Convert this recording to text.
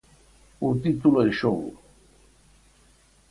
O título en xogo.